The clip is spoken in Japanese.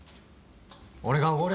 俺がおごる。